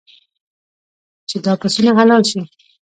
چې دا پسونه حلال شي.